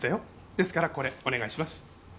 ですからこれお願いします。